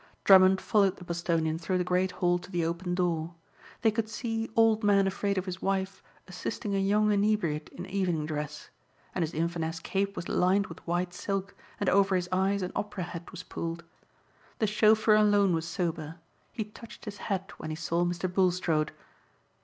Drummond followed the Bostonian through the great hall to the open door. They could see Old Man Afraid of His Wife assisting a young inebriate in evening dress. And his Inverness cape was lined with white silk and over his eyes an opera hat was pulled. The chauffeur alone was sober. He touched his hat when he saw Mr. Bulstrode.